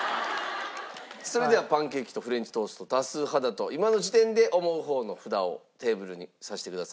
それではパンケーキとフレンチトースト多数派だと今の時点で思う方の札をテーブルにさしてください。